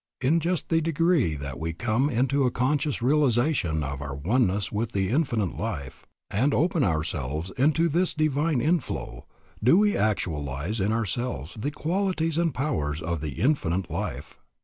In just the degree that we come into a conscious realization of our oneness with the Infinite Life, and open ourselves to this divine inflow, do we actualize in ourselves the qualities and powers of the Infinite Life.